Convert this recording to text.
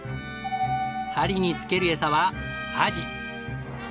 針に付けるエサはアジ。